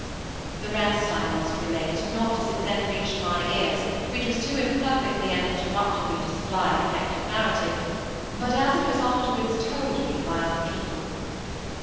The rest I must relate, not as it then reached my ears, which was too imperfectly and interruptedly to supply a connected narrative, but as it was afterwards told me by other people.